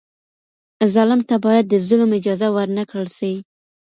ظالم ته بايد د ظلم اجازه ورنکړل سي.